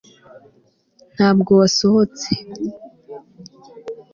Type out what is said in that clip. ntabwo wasohotse